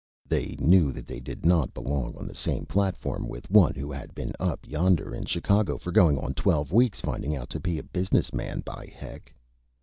They knew that they did not belong on the same Platform with One who had been up yender in Chicago for goin' on Twelve weeks finding out how to be a Business Man. By Heck!